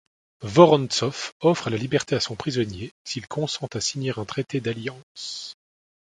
Vorontzov offre la liberté à son prisonnier s'il consent à signer un traité d'alliance.